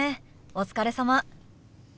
お疲れさま。